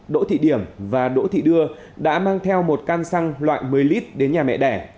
đỗ thị điểm và đỗ thị đưa đã mang theo một căn xăng loại một mươi lít đến nhà mẹ đẻ